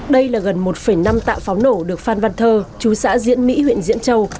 đây là gần một năm tạ pháo nổ được phan văn thơ chú xã diễn mỹ huyện diễn châu